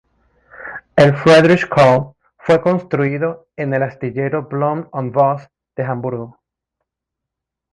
El "Friedrich Carl" fue construido en el astillero Blohm und Voss de Hamburgo.